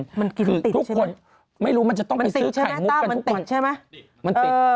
ทุกคนไม่รู้จะต้องไปซื้อไขมุก